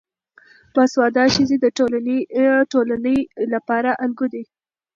باسواده ښځې د ټولنې لپاره الګو دي.